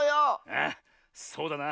あっそうだな。